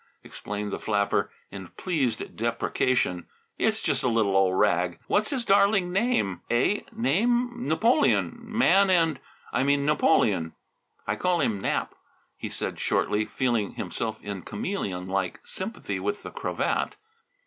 explained the flapper in pleased deprecation. "It's just a little old rag. What's his darling name?" "Eh? Name? Napoleon, Man and I mean Napoleon. I call him Nap," he said shortly, feeling himself in chameleon like sympathy with the cravat.